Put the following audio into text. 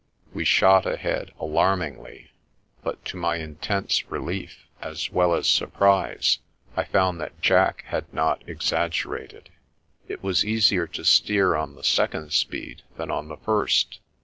We shot ahead alarmingly, but to my intense relief, as well as surprise, I found that Jack had not exaggerated. It was easier to steer on the second speed than on the first.